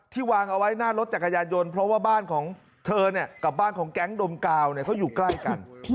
วางเอาไว้หน้ารถจักรยานยนต์เพราะว่าบ้านของเธอกับบ้านของแก๊งดมกาวเขาอยู่ใกล้กัน